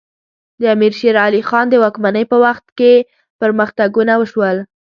د امیر شیر علی خان د واکمنۍ په وخت کې پرمختګونه وشول.